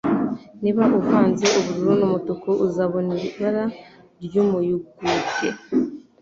Niba uvanze ubururu n'umutuku, uzabona ibara ry'umuyugubwe